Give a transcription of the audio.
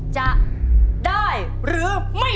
จะได้หรือไม่